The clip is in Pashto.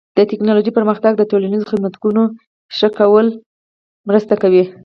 د ټکنالوژۍ پرمختګ د ټولنیزو خدمتونو ښه کولو کې مرسته کوي.